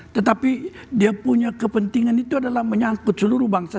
tetapi dia punya kepentingan itu adalah menyangkut seluruh bangsa